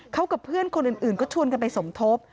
เขากับเพื่อนคนอื่นก็ชวนกันไปสมทบ